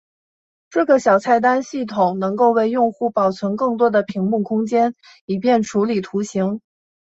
这个小菜单系统能够为用户保存更多的屏幕空间以便处理图形。